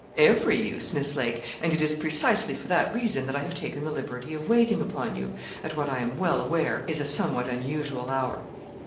'Every use, Miss Lake, and it is precisely for that reason that I have taken the liberty of waiting upon you, at what, I am well aware, is a somewhat unusual hour.'